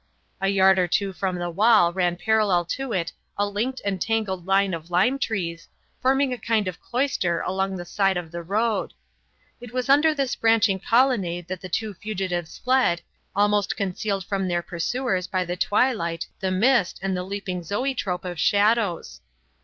A yard or two from the wall ran parallel to it a linked and tangled line of lime trees, forming a kind of cloister along the side of the road. It was under this branching colonnade that the two fugitives fled, almost concealed from their pursuers by the twilight, the mist and the leaping zoetrope of shadows.